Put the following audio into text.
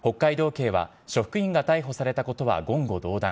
警は職員が逮捕されたことは言語道断。